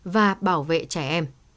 và bảo vệ trẻ em